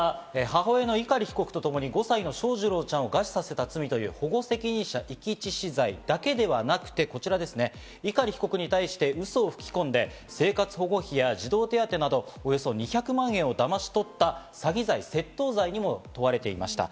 母親の碇被告とともに、５歳の翔士郎ちゃんを餓死させた罪、保護責任者遺棄致死罪だけではなく、碇被告に対してウソを吹き込んで、生活保護費や児童手当など、およそ２００万円をだまし取った詐欺罪・窃盗罪にも問われていました。